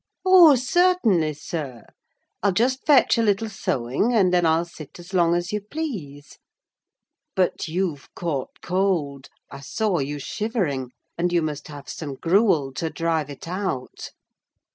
"Oh, certainly, sir! I'll just fetch a little sewing, and then I'll sit as long as you please. But you've caught cold: I saw you shivering, and you must have some gruel to drive it out."